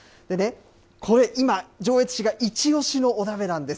これ、今、上越市が一押しのお鍋なんです。